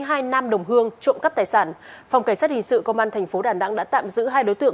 hai nam đồng hương trộm cắp tài sản phòng cảnh sát hình sự công an thành phố đà nẵng đã tạm giữ hai đối tượng